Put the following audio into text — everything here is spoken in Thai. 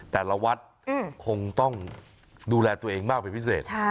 แต่ละวัดคงต้องดูแลตัวเองมากเป็นพิเศษ